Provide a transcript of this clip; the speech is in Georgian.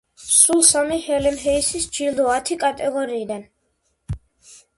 სულ სამი ჰელენ ჰეისის ჯილდო ათი კატეგორიიდან.